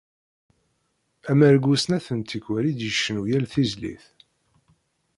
Amergu snat n tikwal i d-icennu yal tizlit.